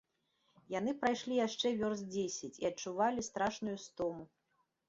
Яны прайшлі яшчэ вёрст дзесяць і адчувалі страшную стому.